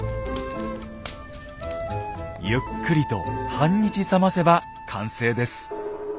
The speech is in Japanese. ゆっくりと半日冷ませば完成です。